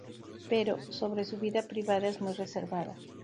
Pero, sobre su vida privada es muy reservada.